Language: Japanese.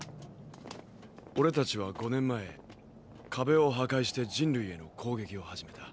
俺たちは５年前壁を破壊して人類への攻撃を始めた。